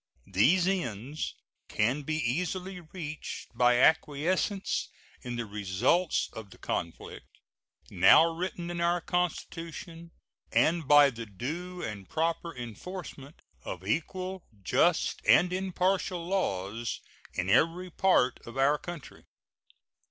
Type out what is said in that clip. These ends can be easily reached by acquiescence in the results of the conflict, now written in our Constitution, and by the due and proper enforcement of equal, just, and impartial laws in every part of our country.